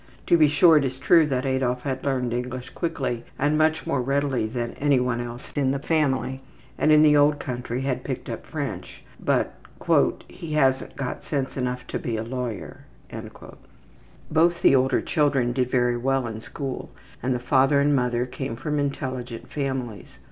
To be sure, it is true that Adolf had learned English quickly and much more readily than any one else in the family, and in the old country had picked up French, but ``he hasn't got sense enough to be a lawyer.'' Both the older children did very well in school, and the father and mother came from intelligent families.